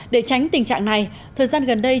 để tránh tình trạng này thời gian gần đây